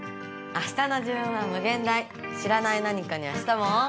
あしたの自分はむげん大知らない何かにあしたも。